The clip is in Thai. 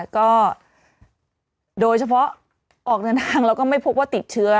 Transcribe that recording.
ก็โดยเฉพาะออกเดินทางแล้วก็ไม่พบว่าติดเชื้อ